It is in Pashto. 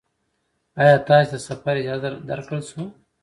ایا تاسې ته د سفر اجازه درکړل شوه؟